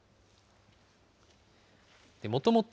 もともと、